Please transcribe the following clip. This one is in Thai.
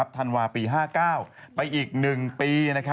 ธันวาคมปี๕กล้าวไปอีก๑ปี